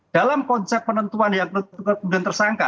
dalam konsep penentuan yang kemudian tersangka